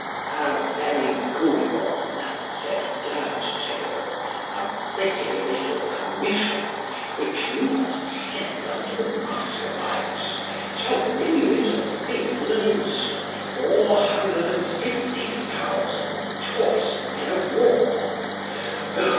A very good one, said Dirt tail; a pretty little commission, which you must send unto the Muscovites, shall bring you into the field in an instant four hundred and fifty thousand choice men of war.